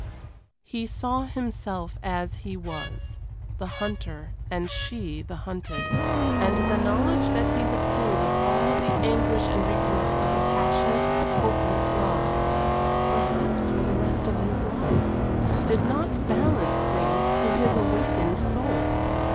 He saw himself as he was the hunter and she the hunted and the knowledge that he would pay with all the anguish and regret of a passionate, hopeless love perhaps for the rest of his life did not balance things to his awakened soul.